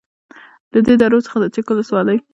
. له دې درو څخه د چک ولسوالۍ